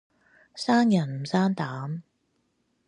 生人唔生膽